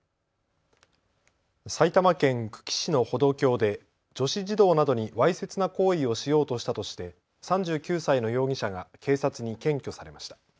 埼玉県久喜市の歩道橋で女子児童などにわいせつな行為をしようとしたとして３９歳の容疑者が警察に検挙されました。